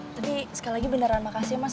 tadi sekali lagi beneran makasih ya mas